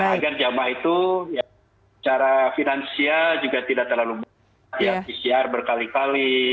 agar jamaah itu secara finansial juga tidak terlalu pcr berkali kali